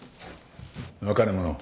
分かる者。